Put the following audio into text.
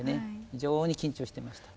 非常に緊張してました。